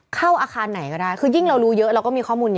เข้าอาคารไหนก็ได้คือยิ่งเรารู้เยอะเราก็มีข้อมูลเยอะ